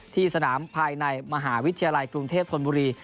ที่สนามภายในมหาวิทยาลัยกรุงเทพธนบุรี